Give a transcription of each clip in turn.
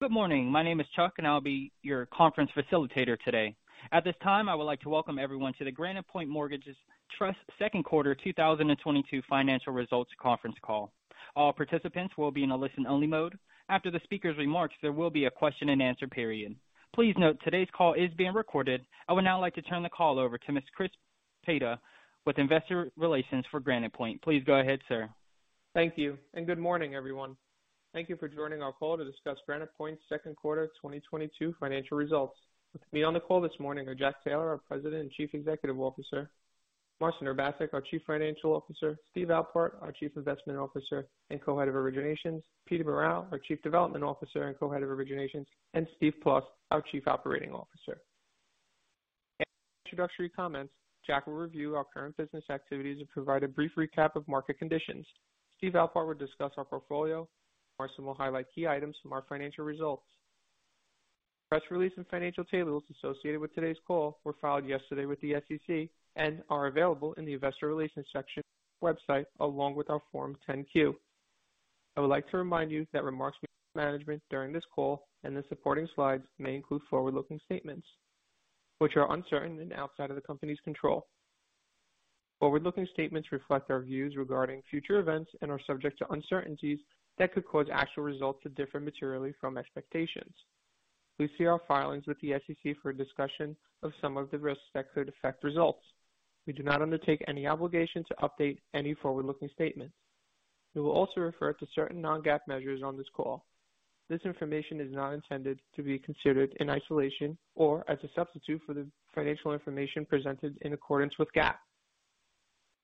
Good morning. My name is Chuck, and I'll be your conference facilitator today. At this time, I would like to welcome everyone to the Granite Point Mortgage Trust second quarter 2022 financial results conference call. All participants will be in a listen-only mode. After the speaker's remarks, there will be a question-and-answer period. Please note today's call is being recorded. I would now like to turn the call over to Mr. Chris Petta with Investor Relations for Granite Point. Please go ahead, sir. Thank you, and good morning, everyone. Thank you for joining our call to discuss Granite Point's second quarter 2022 financial results. With me on the call this morning are Jack Taylor, our President and Chief Executive Officer, Marcin Urbaszek, our Chief Financial Officer, Steve Alpart, our Chief Investment Officer and Co-Head of Originations, Peter Morral, our Chief Development Officer and Co-Head of Originations, and Steven Plust, our Chief Operating Officer. Introductory comments, Jack will review our current business activities and provide a brief recap of market conditions. Steve Alpart will discuss our portfolio. Marcin will highlight key items from our financial results. Press release and financial tables associated with today's call were filed yesterday with the SEC and are available in the Investor Relations section website, along with our Form 10-Q. I would like to remind you that remarks made by management during this call and the supporting slides may include forward-looking statements which are uncertain and outside of the company's control. Forward-looking statements reflect our views regarding future events and are subject to uncertainties that could cause actual results to differ materially from expectations. Please see our filings with the SEC for a discussion of some of the risks that could affect results. We do not undertake any obligation to update any forward-looking statements. We will also refer to certain non-GAAP measures on this call. This information is not intended to be considered in isolation or as a substitute for the financial information presented in accordance with GAAP.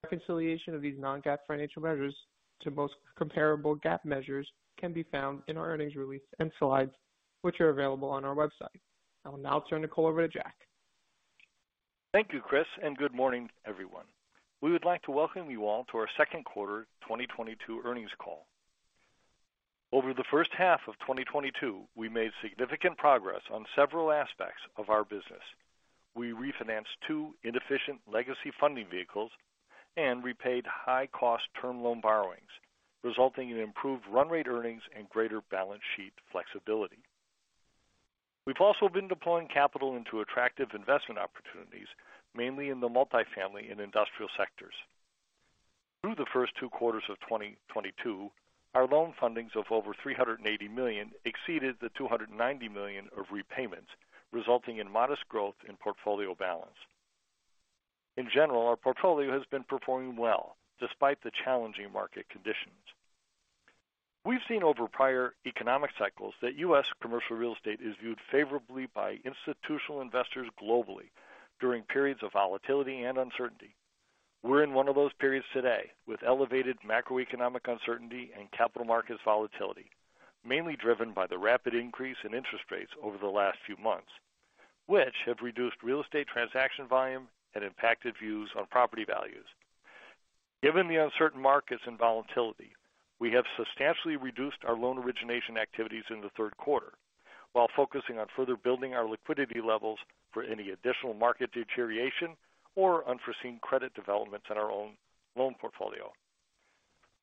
Reconciliation of these non-GAAP financial measures to most comparable GAAP measures can be found in our earnings release and slides, which are available on our website. I will now turn the call over to Jack. Thank you, Chris, and good morning, everyone. We would like to welcome you all to our second quarter 2022 earnings call. Over the first half of 2022, we made significant progress on several aspects of our business. We refinanced two inefficient legacy funding vehicles and repaid high-cost term loan borrowings, resulting in improved run rate earnings and greater balance sheet flexibility. We've also been deploying capital into attractive investment opportunities, mainly in the multifamily and industrial sectors. Through the first two quarters of 2022, our loan fundings of over $380 million exceeded the $290 million of repayments, resulting in modest growth in portfolio balance. In general, our portfolio has been performing well despite the challenging market conditions. We've seen over prior economic cycles that U.S. commercial real estate is viewed favorably by institutional investors globally during periods of volatility and uncertainty. We're in one of those periods today with elevated macroeconomic uncertainty and capital markets volatility, mainly driven by the rapid increase in interest rates over the last few months, which have reduced real estate transaction volume and impacted views on property values. Given the uncertain markets and volatility, we have substantially reduced our loan origination activities in the third quarter while focusing on further building our liquidity levels for any additional market deterioration or unforeseen credit developments in our own loan portfolio.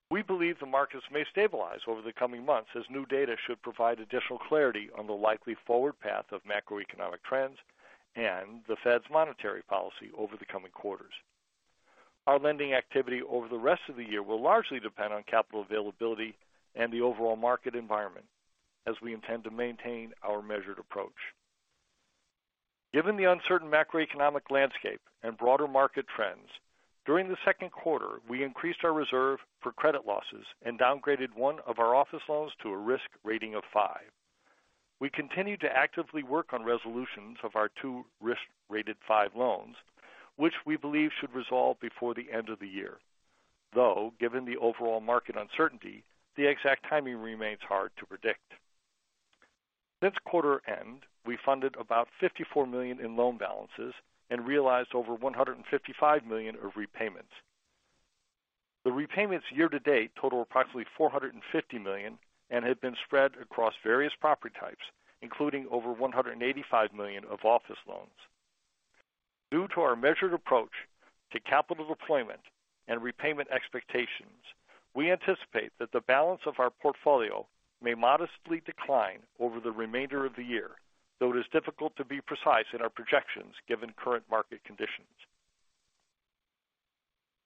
We believe the markets may stabilize over the coming months as new data should provide additional clarity on the likely forward path of macroeconomic trends and the Fed's monetary policy over the coming quarters. Our lending activity over the rest of the year will largely depend on capital availability and the overall market environment as we intend to maintain our measured approach. Given the uncertain macroeconomic landscape and broader market trends, during the second quarter, we increased our reserve for credit losses and downgraded one of our office loans to a risk rating of five. We continue to actively work on resolutions of our two risk-rated five loans, which we believe should resolve before the end of the year, though, given the overall market uncertainty, the exact timing remains hard to predict. Since quarter end, we funded about $54 million in loan balances and realized over $155 million of repayments. The repayments year to date total approximately $450 million and have been spread across various property types, including over $185 million of office loans. Due to our measured approach to capital deployment and repayment expectations, we anticipate that the balance of our portfolio may modestly decline over the remainder of the year, though it is difficult to be precise in our projections given current market conditions.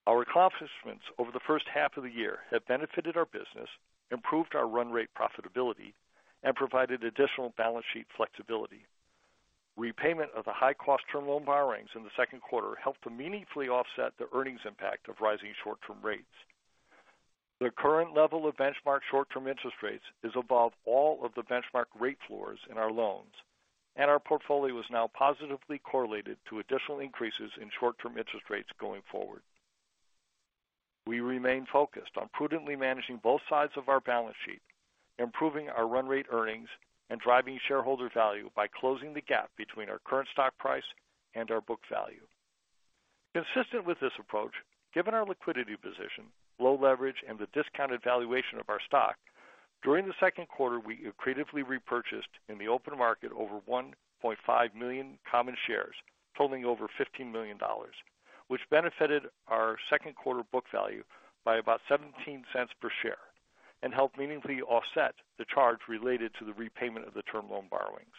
Our accomplishments over the first half of the year have benefited our business, improved our run rate profitability, and provided additional balance sheet flexibility. Repayment of the high-cost term loan borrowings in the second quarter helped to meaningfully offset the earnings impact of rising short-term rates. The current level of benchmark short-term interest rates is above all of the benchmark rate floors in our loans, and our portfolio is now positively correlated to additional increases in short-term interest rates going forward. We remain focused on prudently managing both sides of our balance sheet, improving our run rate earnings, and driving shareholder value by closing the gap between our current stock price and our book value. Consistent with this approach, given our liquidity position, low leverage, and the discounted valuation of our stock, during the second quarter, we creatively repurchased in the open market over 1.5 million common shares, totaling over $15 million, which benefited our second quarter book value by about $0.17 per share and helped meaningfully offset the charge related to the repayment of the term loan borrowings.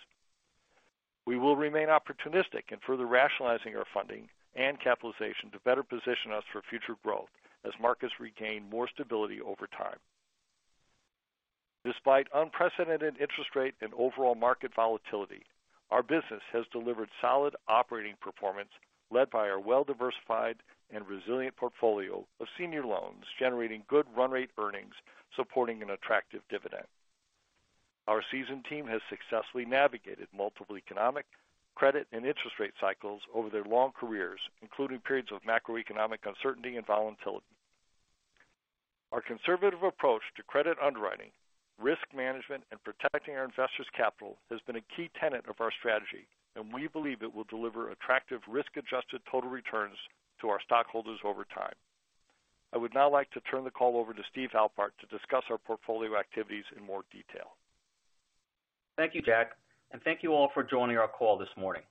We will remain opportunistic in further rationalizing our funding and capitalization to better position us for future growth as markets regain more stability over time. Despite unprecedented interest rate and overall market volatility, our business has delivered solid operating performance led by our well-diversified and resilient portfolio of senior loans, generating good run rate earnings, supporting an attractive dividend. Our seasoned team has successfully navigated multiple economic, credit, and interest rate cycles over their long careers, including periods of macroeconomic uncertainty and volatility. Our conservative approach to credit underwriting, risk management, and protecting our investors' capital has been a key tenet of our strategy, and we believe it will deliver attractive risk-adjusted total returns to our stockholders over time. I would now like to turn the call over to Steve Alpart to discuss our portfolio activities in more detail. Thank you, Jack, and thank you all for joining our call this morning.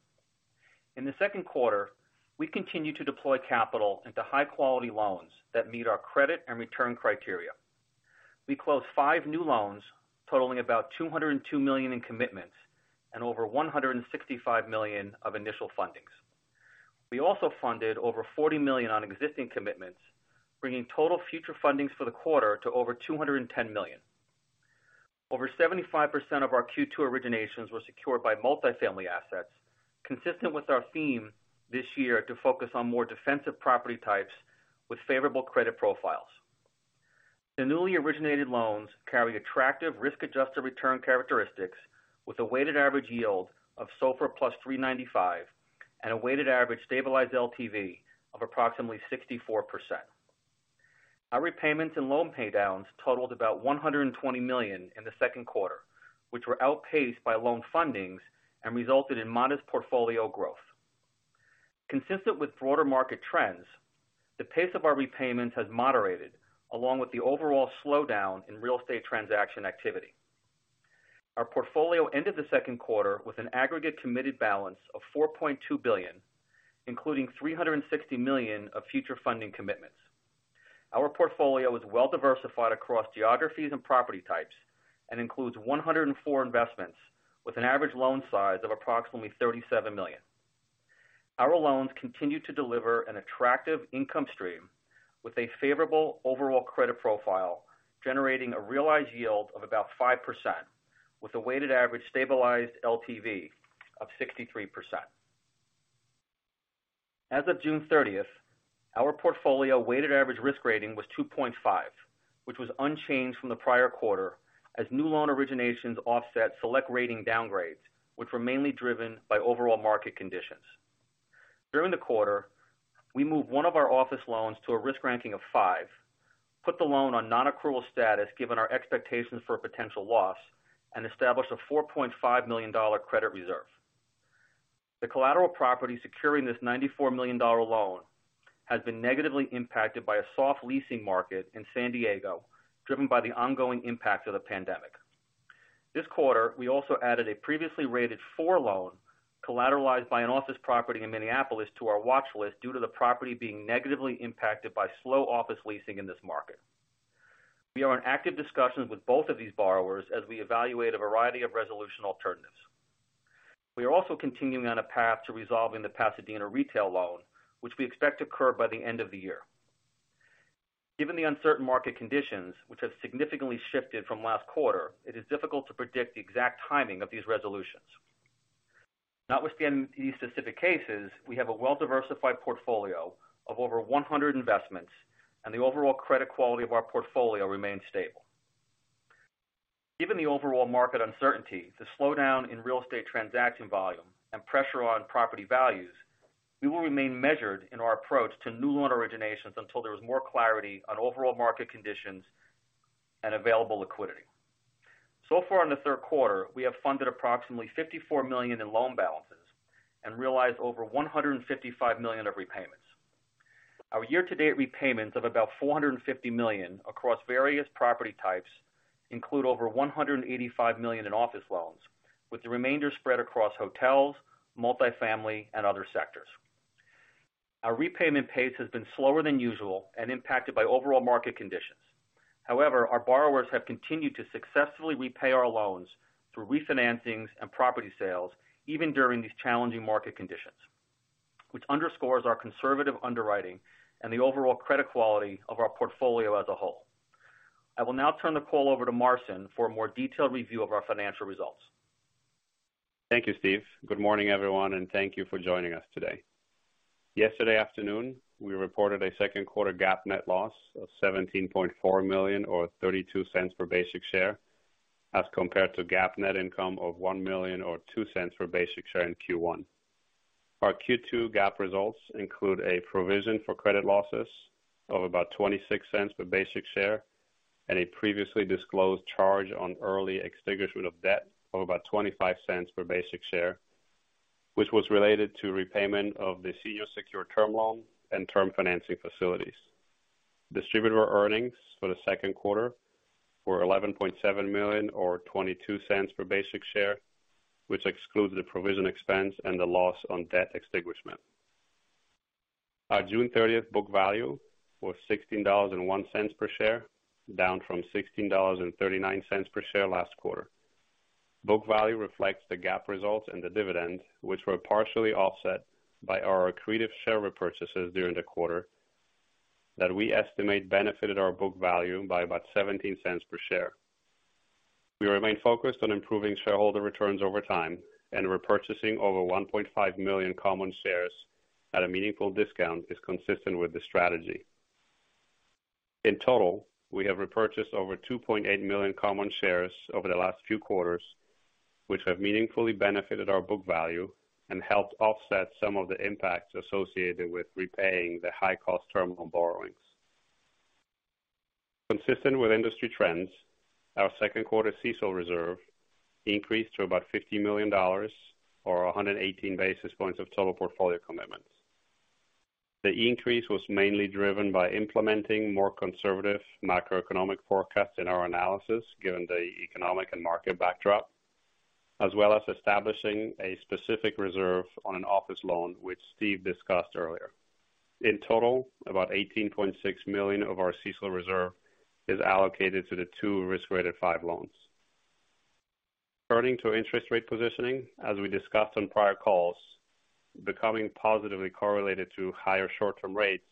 In the second quarter, we continued to deploy capital into high-quality loans that meet our credit and return criteria. We closed five new loans totaling about $202 million in commitments and over $165 million of initial fundings. We also funded over $40 million on existing commitments, bringing total future fundings for the quarter to over $210 million. Over 75% of our Q2 originations were secured by multifamily assets, consistent with our theme this year to focus on more defensive property types with favorable credit profiles. The newly originated loans carry attractive risk-adjusted return characteristics with a weighted average yield of SOFR plus 3.95 and a weighted average stabilized LTV of approximately 64%. Our repayments and loan paydowns totaled about $120 million in the second quarter, which were outpaced by loan fundings and resulted in modest portfolio growth. Consistent with broader market trends, the pace of our repayments has moderated along with the overall slowdown in real estate transaction activity. Our portfolio ended the second quarter with an aggregate committed balance of $4.2 billion, including $360 million of future funding commitments. Our portfolio is well diversified across geographies and property types and includes 104 investments with an average loan size of approximately $37 million. Our loans continue to deliver an attractive income stream with a favorable overall credit profile, generating a realized yield of about 5%, with a weighted average stabilized LTV of 63%. As of June 30, our portfolio weighted average risk rating was 2.5, which was unchanged from the prior quarter as new loan originations offset select rating downgrades, which were mainly driven by overall market conditions. During the quarter, we moved one of our office loans to a risk ranking of five, put the loan on non-accrual status given our expectations for a potential loss, and established a $4.5 million credit reserve. The collateral property securing this $94 million loan has been negatively impacted by a soft leasing market in San Diego, driven by the ongoing impact of the pandemic. This quarter, we also added a previously rated four loan collateralized by an office property in Minneapolis to our watch list due to the property being negatively impacted by slow office leasing in this market. We are in active discussions with both of these borrowers as we evaluate a variety of resolution alternatives. We are also continuing on a path to resolving the Pasadena retail loan, which we expect to occur by the end of the year. Given the uncertain market conditions, which have significantly shifted from last quarter, it is difficult to predict the exact timing of these resolutions. Notwithstanding these specific cases, we have a well-diversified portfolio of over 100 investments, and the overall credit quality of our portfolio remains stable. Given the overall market uncertainty, the slowdown in real estate transaction volume and pressure on property values, we will remain measured in our approach to new loan originations until there is more clarity on overall market conditions and available liquidity. So far in the third quarter, we have funded approximately $54 million in loan balances and realized over $155 million of repayments. Our year-to-date repayments of about $450 million across various property types include over $185 million in office loans, with the remainder spread across hotels, multifamily, and other sectors. Our repayment pace has been slower than usual and impacted by overall market conditions. However, our borrowers have continued to successfully repay our loans through refinancings and property sales, even during these challenging market conditions, which underscores our conservative underwriting and the overall credit quality of our portfolio as a whole. I will now turn the call over to Marcin for a more detailed review of our financial results. Thank you, Steve. Good morning, everyone, and thank you for joining us today. Yesterday afternoon, we reported a second quarter GAAP net loss of $17.4 million or $0.32 per basic share as compared to GAAP net income of $1 million or $0.02 per basic share in Q1. Our Q2 GAAP results include a provision for credit losses of about $0.26 per basic share and a previously disclosed charge on early extinguishment of debt of about $0.25 per basic share, which was related to repayment of the senior secured term loan and term financing facilities. Distributable Earnings for the second quarter were $11.7 million or $0.22 per basic share, which excludes the provision expense and the loss on debt extinguishment. Our June 30th book value was $16.01 per share, down from $16.39 per share last quarter. Book value reflects the GAAP results and the dividends, which were partially offset by our accretive share repurchases during the quarter that we estimate benefited our book value by about $0.17 per share. We remain focused on improving shareholder returns over time and repurchasing over 1.5 million common shares at a meaningful discount is consistent with the strategy. In total, we have repurchased over 2.8 million common shares over the last few quarters, which have meaningfully benefited our book value and helped offset some of the impacts associated with repaying the high cost term on borrowings. Consistent with industry trends, our second quarter CECL reserve increased to about $50 million or 118 basis points of total portfolio commitments. The increase was mainly driven by implementing more conservative macroeconomic forecasts in our analysis, given the economic and market backdrop, as well as establishing a specific reserve on an office loan which Steve discussed earlier. In total, about $18.6 million of our CECL reserve is allocated to the two risk-rated five loans. Turning to interest rate positioning, as we discussed on prior calls, becoming positively correlated to higher short-term rates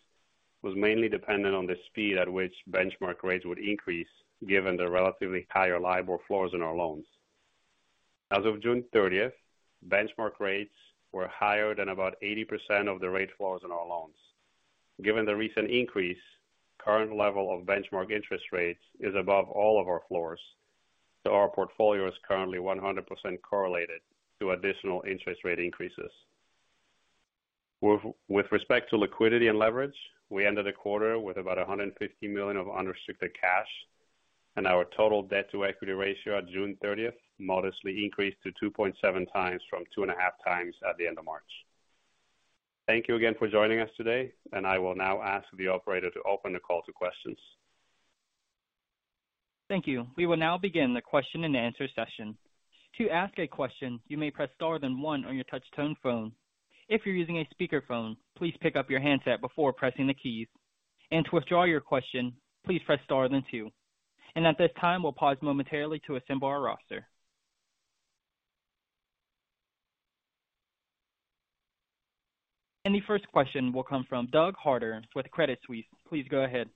was mainly dependent on the speed at which benchmark rates would increase given the relatively higher LIBOR floors in our loans. As of June 30th, benchmark rates were higher than about 80% of the rate floors in our loans. Given the recent increase, current level of benchmark interest rates is above all of our floors. Our portfolio is currently 100% correlated to additional interest rate increases. With respect to liquidity and leverage, we ended the quarter with about $150 million of unrestricted cash, and our total debt to equity ratio on June 30th modestly increased to 2.7x from 2.5x at the end of March. Thank you again for joining us today, and I will now ask the operator to open the call to questions. Thank you. We will now begin the question and answer session. To ask a question, you may press star then one on your touch tone phone. If you're using a speakerphone, please pick up your handset before pressing the keys. To withdraw your question, please press star then two. At this time, we'll pause momentarily to assemble our roster. The first question will come from Doug Harter with Credit Suisse. Please go ahead.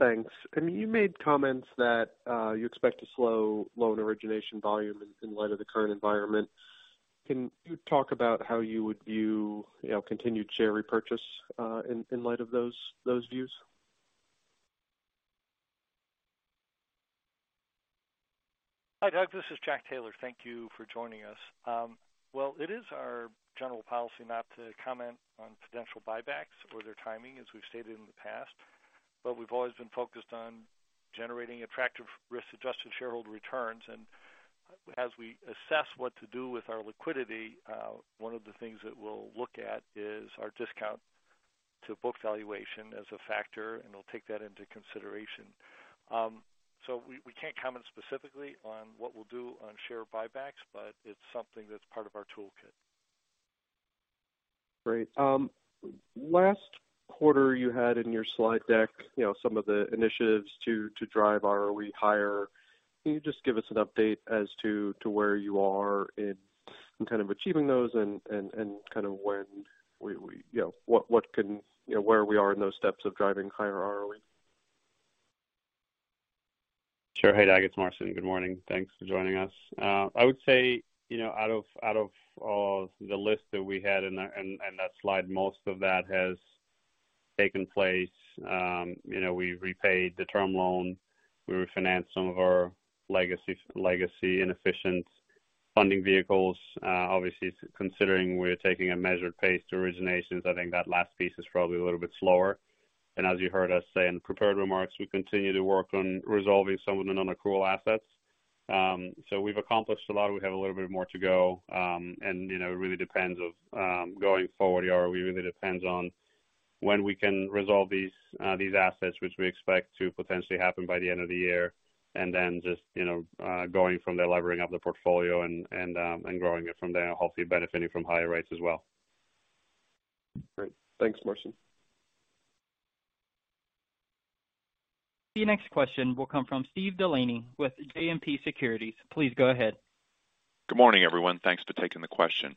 Thanks. I mean, you made comments that you expect to slow loan origination volume in light of the current environment. Can you talk about how you would view continued share repurchase in light of those views? Hi, Doug, this is Jack Taylor. Thank you for joining us. Well, it is our general policy not to comment on potential buybacks or their timing, as we've stated in the past. We've always been focused on generating attractive risk-adjusted shareholder returns. As we assess what to do with our liquidity, one of the things that we'll look at is our discount to book valuation as a factor, and we'll take that into consideration. We can't comment specifically on what we'll do on share buybacks, but it's something that's part of our toolkit. Great. Last quarter you had in your slide deck, you know, some of the initiatives to drive ROE higher. Can you just give us an update as to where you are in kind of achieving those and kind of when we, you know, where we are in those steps of driving higher ROE? Sure. Hey, Doug, it's Marcin. Good morning. Thanks for joining us. I would say, you know, out of the list that we had in that slide, most of that has taken place. You know, we repaid the term loan. We refinanced some of our legacy inefficient funding vehicles. Obviously, considering we're taking a measured pace to originations, I think that last piece is probably a little bit slower. As you heard us say in prepared remarks, we continue to work on resolving some of the non-accrual assets. We've accomplished a lot. We have a little bit more to go. You know, it really depends on going forward, ROE really depends on when we can resolve these assets, which we expect to potentially happen by the end of the year. Just, you know, going from there, levering up the portfolio and growing it from there, hopefully benefiting from higher rates as well. Great. Thanks, Marcin. The next question will come from Steve DeLaney with JMP Securities. Please go ahead. Good morning, everyone. Thanks for taking the question.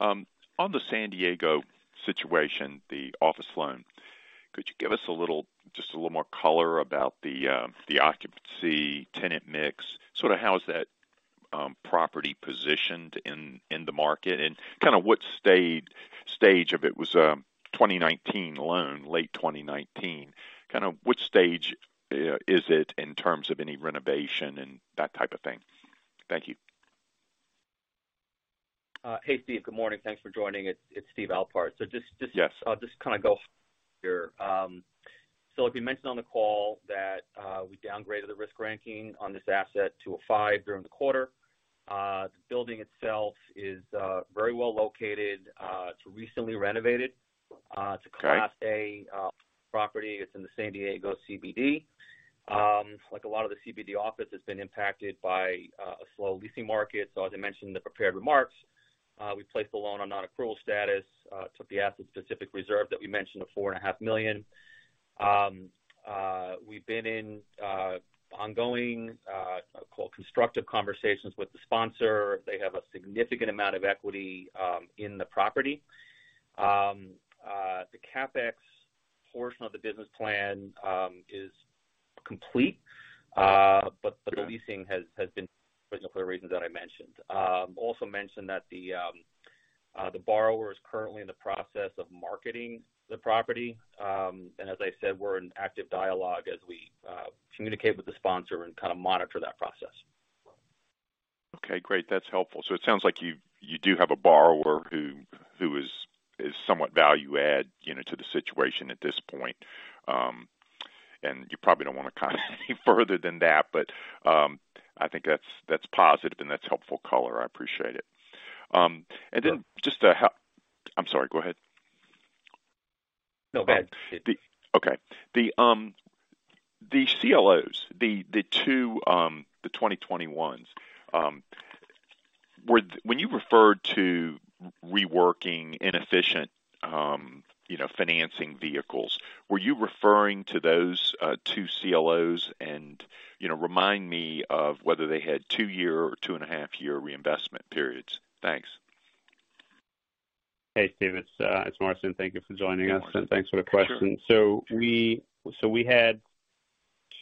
On the San Diego situation, the office loan, could you give us a little, just a little more color about the occupancy tenant mix? Sorta how is that property positioned in the market? Kinda what stage of it was, 2019 loan, late 2019. Kinda which stage is it in terms of any renovation and that type of thing? Thank you. Hey, Steve. Good morning. Thanks for joining. It's Steve Alpart. Just Yes. I'll just kinda go here. Like we mentioned on the call that we downgraded the risk ranking on this asset to a five during the quarter. The building itself is very well located. It's recently renovated. Okay. It's a Class A property. It's in the San Diego CBD. Like a lot of the CBD office, it's been impacted by a slow leasing market. As I mentioned in the prepared remarks, we placed the loan on non-accrual status, took the asset-specific reserve that we mentioned of $4.5 million. We've been in ongoing, call it constructive conversations with the sponsor. They have a significant amount of equity in the property. The CapEx portion of the business plan is complete, but the Yeah. -leasing has been difficult for the reasons that I mentioned. Also mentioned that the borrower is currently in the process of marketing the property. As I said, we're in active dialogue as we communicate with the sponsor and kinda monitor that process. Okay, great. That's helpful. It sounds like you do have a borrower who is somewhat value add, you know, to the situation at this point. You probably don't wanna comment any further than that, but I think that's positive and that's helpful color. I appreciate it. I'm sorry, go ahead. No, go ahead. The CLOs, the two 2021s, when you referred to reworking inefficient, you know, financing vehicles, were you referring to those two CLOs? You know, remind me of whether they had two year or two and a half year reinvestment periods. Thanks. Hey, Steve, it's Marcin. Thank you for joining us. Hi, Marcin. Thanks for the question. Sure. We had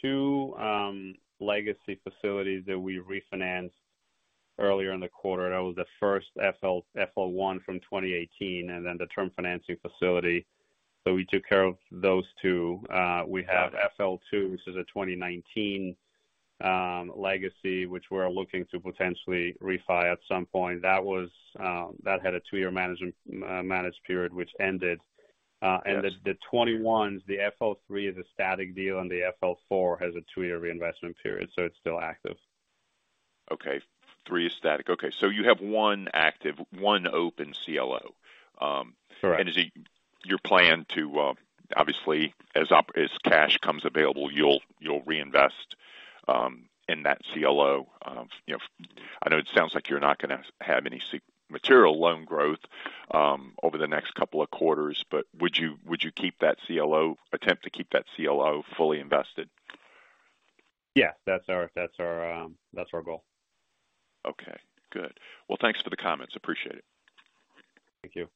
two legacy facilities that we refinanced earlier in the quarter. That was the first FL1 from 2018, and then the term financing facility. We took care of those two. We have FL2, the 2019 legacy, which we're looking to potentially refi at some point. That had a two-year managed period which ended. Yes. The 2021s, the FL3 is a static deal, and the FL4 has a two-year reinvestment period, so it's still active. Okay. Three is static. Okay. You have one active, one open CLO. Correct. Is it your plan to, obviously, as cash comes available, you'll reinvest in that CLO? You know, I know it sounds like you're not gonna have any material loan growth over the next couple of quarters, but would you keep that CLO, attempt to keep that CLO fully invested? Yeah. That's our goal. Okay. Good. Well, thanks for the comments. Appreciate it. Thank you.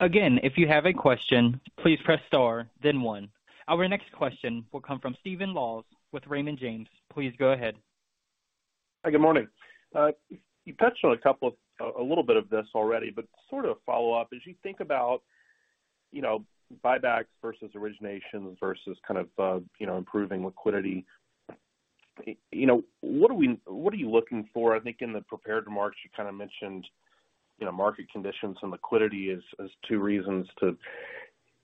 Again, if you have a question, please press star then one. Our next question will come from Stephen Laws with Raymond James. Please go ahead. Hi, good morning. You touched on a little bit of this already, but sort of a follow-up. As you think about, you know, buybacks versus originations versus kind of, you know, improving liquidity, you know, what are you looking for? I think in the prepared remarks you kinda mentioned, you know, market conditions and liquidity as two reasons to,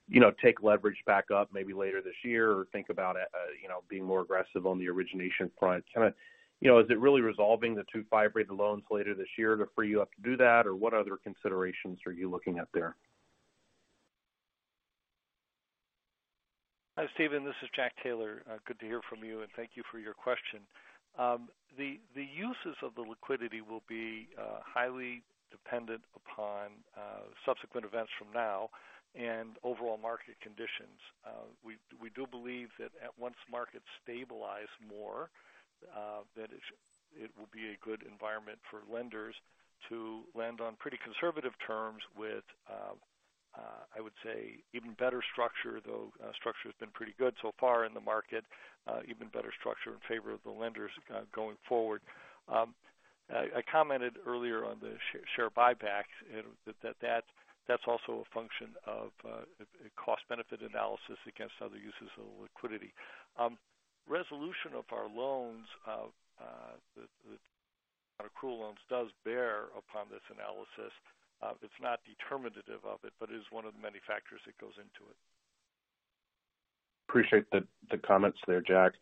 you know, take leverage back up maybe later this year or think about, you know, being more aggressive on the origination front. Kinda, you know, is it really resolving the two five-rated loans later this year to free you up to do that? Or what other considerations are you looking at there? Hi, Stephen, this is Jack Taylor. Good to hear from you, and thank you for your question. The uses of the liquidity will be highly dependent upon subsequent events from now and overall market conditions. We do believe that once markets stabilize more, that it will be a good environment for lenders to lend on pretty conservative terms with, I would say, even better structure, though structure's been pretty good so far in the market. Even better structure in favor of the lenders going forward. I commented earlier on the share buyback and that that's also a function of a cost benefit analysis against other uses of the liquidity. Resolution of our loans, the non-accrual loans does bear upon this analysis. It's not determinative of it, but is one of the many factors that goes into it. Appreciate the comments there, Jack.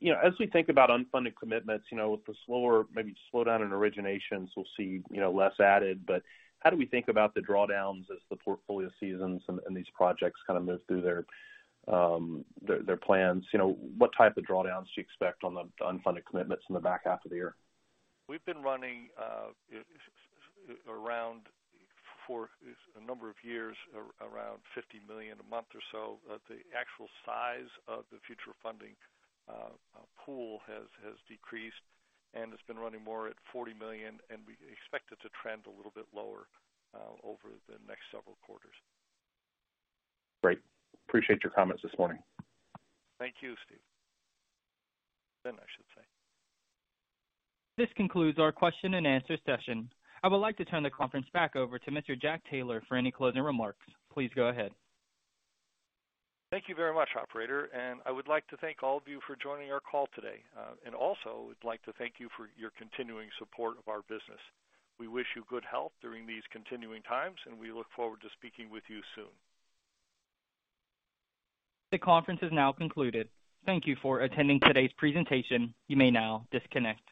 You know, as we think about unfunded commitments, you know, with the slower, maybe slowdown in originations, we'll see, you know, less added, but how do we think about the drawdowns as the portfolio seasons and these projects kinda move through their plans? You know, what type of drawdowns do you expect on the unfunded commitments in the back half of the year? We've been running around for a number of years, around $50 million a month or so. The actual size of the future funding pool has decreased, and it's been running more at $40 million, and we expect it to trend a little bit lower over the next several quarters. Great. Appreciate your comments this morning. Thank you, Steve. Ben, I should say. This concludes our question and answer session. I would like to turn the conference back over to Mr. Jack Taylor for any closing remarks. Please go ahead. Thank you very much, operator, and I would like to thank all of you for joining our call today. Also we'd like to thank you for your continuing support of our business. We wish you good health during these continuing times, and we look forward to speaking with you soon. The conference is now concluded. Thank you for attending today's presentation. You may now disconnect.